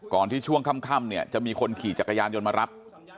ที่ช่วงค่ำเนี่ยจะมีคนขี่จักรยานยนต์มารับ